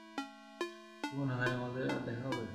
কি মনে হয় আমাদের আর দেখা হবে?